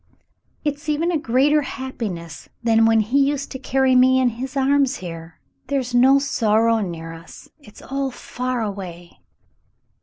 "It's even a greater happiness than when he used to carry me in his arms here. There's no sorrow near us. It's all far awav."